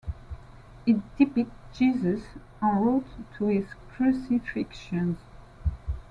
It depicts Jesus en route to his crucifixion.